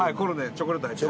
チョコレート入ってる。